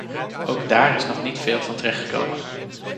Ook daar is nog niet veel van terechtgekomen.